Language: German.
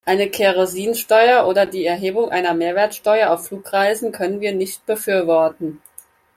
Eine Kerosinsteuer oder die Erhebung einer Mehrwertsteuer auf Flugreisen können wir nicht befürworten.